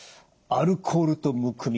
アルコールとむくみ